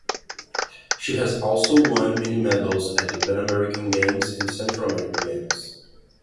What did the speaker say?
She has also won many medals at the Pan-American Games and Central American Games.